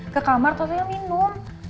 ke kamar ternyata dia minum